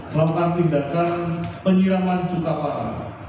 melakukan tindakan penyiraman cuka parah